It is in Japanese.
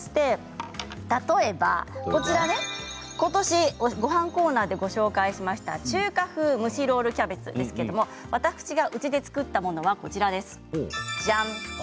例えばことしごはんコーナーでご紹介しました中華風蒸しロールキャベツですけれど私がうちで作ったものはじゃーん！